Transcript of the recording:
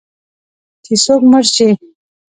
چې څوک مړ شي